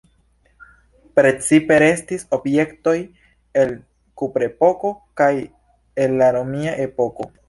Precipe restis objektoj el kuprepoko kaj el la romia epoko.